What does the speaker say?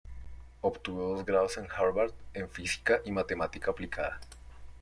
Obtuvo dos grados en Harvard, en física y matemática aplicada.